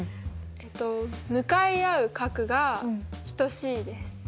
えっと向かい合う角が等しいです。